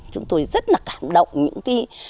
chúng tôi rất là cảm động những cái